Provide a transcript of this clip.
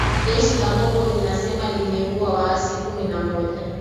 Jeshi la Kongo linasema limeua waasi kumi na mmoja